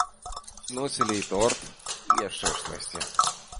Прыносілі і торт, і яшчэ штосьці.